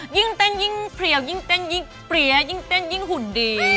ยิ่งเต้นยิ่งเพลียวยิ่งเต้นยิ่งเปรี้ยยิ่งเต้นยิ่งหุ่นดี